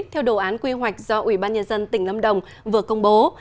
theo đồ án quy hoạch do ủy ban nhân dân tỉnh lâm đồng vừa công bố